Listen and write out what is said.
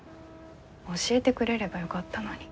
教えてくれればよかったのに。